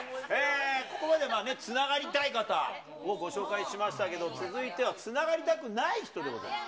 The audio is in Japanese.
ここまでつながりたい方をご紹介しましたけど、続いてはつながりたくない人でございます。